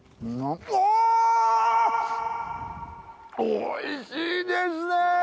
おいしいですね！